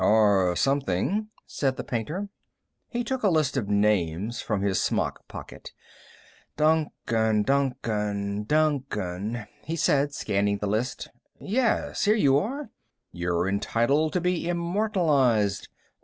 "Or something," said the painter. He took a list of names from his smock pocket. "Duncan, Duncan, Duncan," he said, scanning the list. "Yes here you are. You're entitled to be immortalized.